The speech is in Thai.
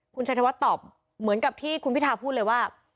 คุณชัยธวัฒน์ตอบเหมือนกับที่คุณพิทาพูดเลยว่า